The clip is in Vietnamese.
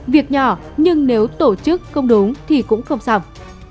việc nhỏ nhưng nếu tổ chức không đúng thì cũng không xong